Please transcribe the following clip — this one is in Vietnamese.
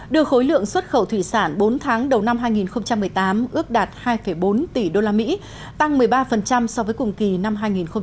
đưa khối lượng xuất khẩu thủy sản bốn tháng đầu năm hai nghìn một mươi tám ước đạt hai bốn tỷ usd tăng một mươi ba so với cùng kỳ năm hai nghìn một mươi bảy